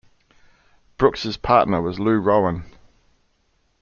Brooks' partner was Lou Rowan.